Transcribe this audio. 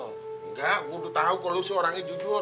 enggak gue udah tahu kok lo seorangnya jujur